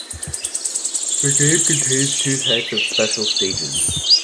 The game contains two types of "special stages".